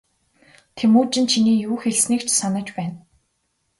Тэмүжин чиний юу хэлснийг ч санаж байна.